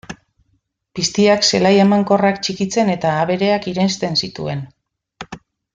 Piztiak zelai emankorrak txikitzen eta abereak irensten zituen.